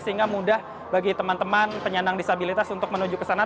sehingga mudah bagi teman teman penyandang disabilitas untuk menuju ke sana